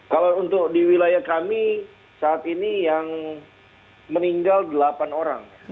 kalau untuk di wilayah kami saat ini yang meninggal delapan orang